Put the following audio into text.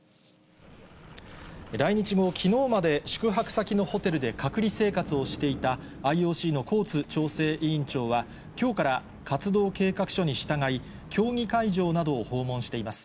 来日後、きのうまで宿泊先のホテルで隔離生活をしていたＩＯＣのコーツ調整委員長は、きょうから活動計画書に従い、競技会場などを訪問しています。